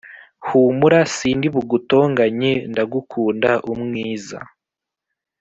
humura sindi bugutonganye ndagukunda umwiza